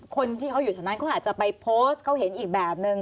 คนที่เขาอยู่แถวนั้นเขาอาจจะไปโพสต์เขาเห็นอีกแบบนึง